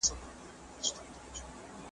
ځینې خلک لامبو خوښوي.